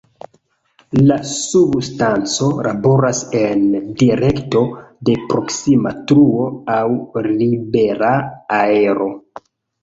La substanco laboras en direkto de proksima truo aŭ "libera aero".